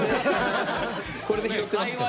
これで拾ってますからね。